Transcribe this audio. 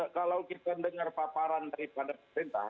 kalau kita dengar paparan daripada pemerintah